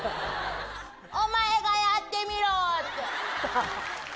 お前がやってみろって。